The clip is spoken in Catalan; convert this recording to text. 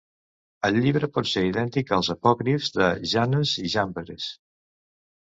El llibre pot ser idèntic als apòcrifs de Jannes i Jambres.